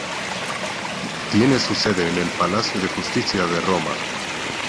Tiene su sede en el Palacio de Justicia de Roma.